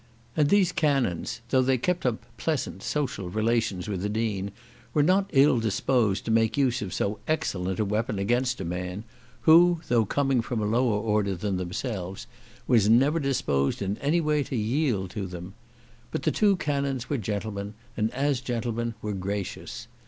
And these canons, though they kept up pleasant, social relations with the Dean, were not ill disposed to make use of so excellent a weapon against a man, who, though coming from a lower order than themselves, was never disposed in any way to yield to them. But the two canons were gentlemen, and as gentlemen were gracious.